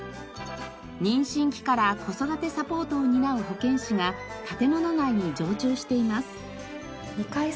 妊娠期から子育てサポートを担う保健師が建物内に常駐しています。